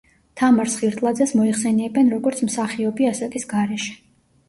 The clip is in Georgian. თამარ სხირტლაძეს მოიხსენიებენ როგორც „მსახიობი ასაკის გარეშე“.